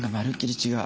違う。